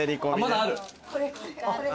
まだある。